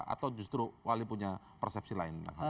atau justru wali punya persepsi lain